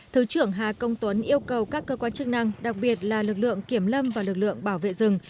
thứ trưởng hà công tuấn yêu cầu các cơ quan chức năng đặc biệt là lực lượng kiểm lâm và lực lượng bảo vệ rừng